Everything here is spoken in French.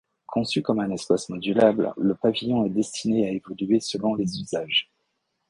Conçu comme un espace modulable, le pavillon est destiné à évoluer selon les usages.